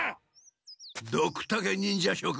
ドクタケ忍者諸君